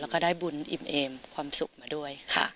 แล้วก็ได้บุญอิ่มเอมความสุขมาด้วยค่ะ